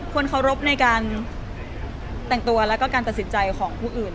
เคารพในการแต่งตัวแล้วก็การตัดสินใจของผู้อื่น